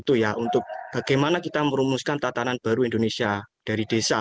untuk bagaimana kita merumuskan tatanan baru indonesia dari desa